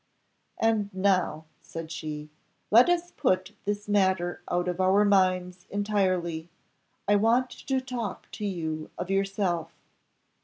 "And now," said she, "let us put this matter out of our minds entirely I want to talk to you of yourself."